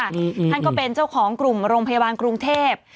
ท่านก็เป็นเจ้าของกลุ่มโรงพยาบาลกรุงเทพ